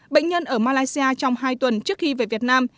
bệnh nhân ở malaysia trong hai tuần trước khi về việt nam